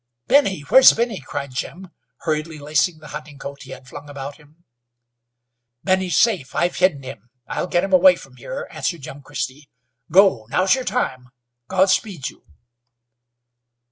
"Benny? Where's Benny?" cried Jim, hurriedly lacing the hunting coat he had flung about him. "Benny's safe. I've hidden him. I'll get him away from here," answered young Christy. "Go! Now's your time. Godspeed you!"